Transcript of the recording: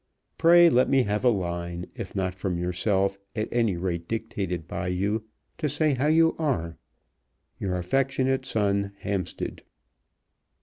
Pray let me have a line, if not from yourself, at any rate dictated by you, to say how you are. Your affectionate son, HAMPSTEAD.